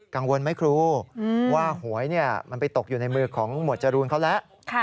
กังวลไหมครูว่าหวยมันไปตกอยู่ในมือของหมวดจรูนเขาแล้ว